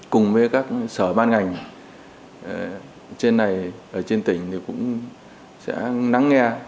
cùng với các sở ban ngành trên này ở trên tỉnh thì cũng sẽ nắng nghe